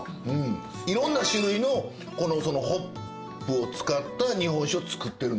いろんな種類のホップを使った日本酒を造ってるの？